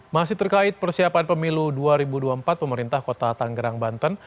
masih terkait persiapan pemilu dua ribu dua puluh empat pemerintah kota tanggerang banten